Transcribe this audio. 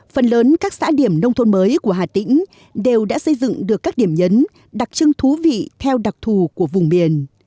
phần lớn các xã điểm nông thôn mới của hà tĩnh đều đã xây dựng được các điểm nhấn đặc trưng thú vị theo đặc thù của vùng miền